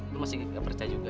lo masih gak percaya juga ya